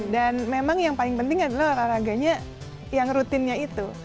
dan memang yang paling penting adalah olahraganya yang rutinnya itu